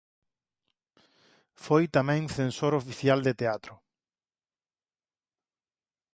Foi tamén censor oficial de teatro.